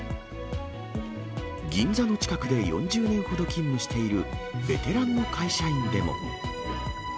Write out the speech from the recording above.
銀座の近くで４０年ほど勤務しているベテランの会社員でも。